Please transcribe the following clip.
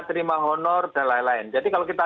terima honor dan lain lain jadi kalau kita